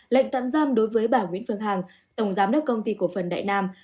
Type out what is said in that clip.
lệnh tạm giam đối với bà nguyễn phương hằng tổng giám đốc công ty cổ phần đại nam